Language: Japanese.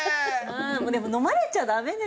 でも飲まれちゃダメですよね。